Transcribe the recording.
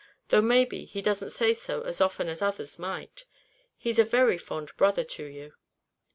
Though maybe he doesn't say so as often as others might, he's a very fond brother to you."